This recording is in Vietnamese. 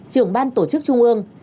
trưởng ban tổ chức trung ương